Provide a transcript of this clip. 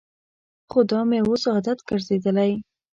خو دا مې اوس عادت ګرځېدلی.